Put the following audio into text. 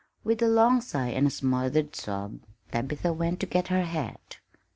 With a long sigh and a smothered sob, Tabitha went to get her hat.